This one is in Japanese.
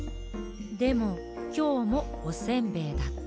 でもきょうもおせんべいだった。